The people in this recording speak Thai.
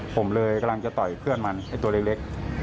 ผมเลยกำลังจะต่อยเพื่อนมันไอ้ตัวเล็ก